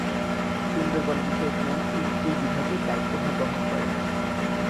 সুন্দরবন বিষয়ক মন্ত্রী এই বিভাগের দায়িত্বভার বহন করেন।